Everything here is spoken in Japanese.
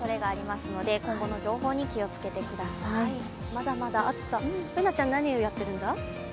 まだまだ暑さＢｏｏｎａちゃん何をやってるんだ？